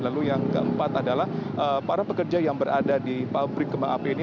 lalu yang keempat adalah para pekerja yang berada di pabrik kembang api ini